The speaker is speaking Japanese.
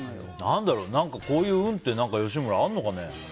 こういう運って吉村あるのかね？